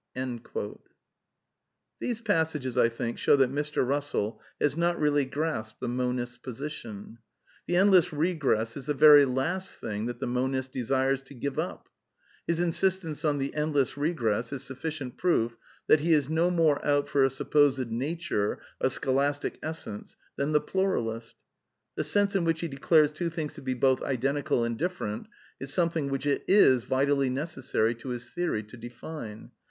'' {Ibid. p. 169.) These passages, I think, show that Mr. Bnssell has noty^ L really grasped the manist's position. The endless regress * is the very last thing that the monist desires to give np. His inaist^oe on tbTendleas regr«» is soflBeient p^f that Xf^^^he is no more oat for a supposed '^ nature," or ^' scholastic ' essence," than the pluralist The '^ sense " in which he declares two things to be both identical and different is something which it is ^^ vitally necessary " to his theory to define.